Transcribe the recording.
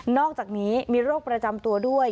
อกจากนี้มีโรคประจำตัวด้วย